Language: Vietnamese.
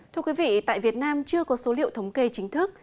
thưa quý vị tại việt nam chưa có số liệu thống kê chính thức